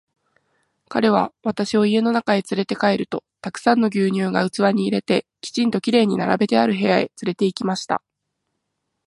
彼は私を家の中へつれて帰ると、たくさんの牛乳が器に入れて、きちんと綺麗に並べてある部屋へつれて行きました。